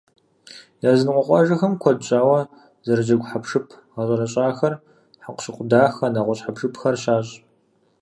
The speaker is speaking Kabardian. Языныкъуэ къуажэхэм куэд щӏауэ зэрыджэгу хьэпшып гъэщӏэрэщӏахэр, хьэкъущыкъу дахэ, нэгъуэщӏ хьэпшыпхэр щащӏ.